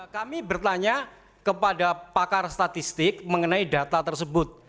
kami bertanya kepada pakar statistik mengenai data tersebut